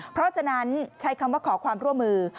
เพราะฉะนั้นใช้คำว่าขอความร่วมมือ